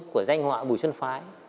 của danh họa bùi xuân phái